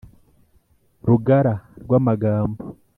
rugara rw' amagambo